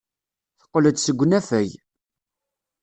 Teqqel-d seg unafag.